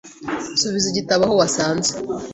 Subiza igitabo aho wasanze.